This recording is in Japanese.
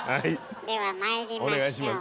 ではまいりましょう。